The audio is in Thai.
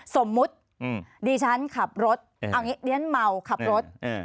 สมมุติดิฉันขับรถเอาอย่างนี้เรียนเมาขับรถ